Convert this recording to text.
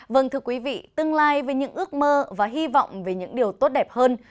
vâng thưa quý vị tương lai về những ước mơ và hy vọng về những điều tốt đẹp hơn